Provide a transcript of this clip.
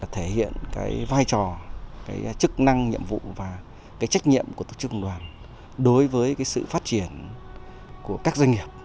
thể hiện cái vai trò chức năng nhiệm vụ và trách nhiệm của tổ chức công đoàn đối với sự phát triển của các doanh nghiệp